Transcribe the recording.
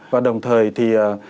và đồng thời thì